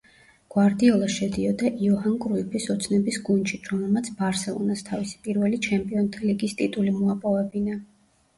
გვარდიოლა შედიოდა იოჰან კრუიფის „ოცნების გუნდში“, რომელმაც „ბარსელონას“ თავისი პირველი ჩემპიონთა ლიგის ტიტული მოაპოვებინა.